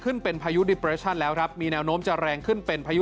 ขึ้นเป็นพายุในแนวนมจะรแรงขึ้นเป็นพายุ